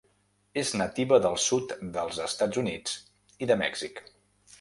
És nativa del sud dels Estats Units i de Mèxic.